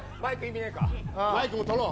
マイクも取ろう。